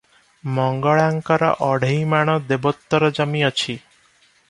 ମଙ୍ଗଳାଙ୍କର ଅଢ଼େଇମାଣ ଦେବୋତ୍ତର ଜମି ଅଛି ।